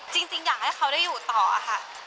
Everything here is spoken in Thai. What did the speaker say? จริงอยากให้เขาได้อยู่ต่อค่ะ